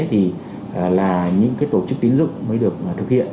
thì là những tổ chức tín dụng mới được thực hiện